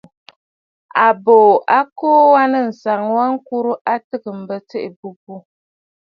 Àbòò a kuu wa nɨ̂ ànsaŋ wa ŋkurə a tɨgə̀ m̀bə tsiʼì àbûbû.